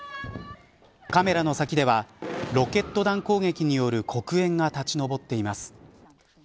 カメラの先ではロケット弾攻撃による黒煙が立ち上っています。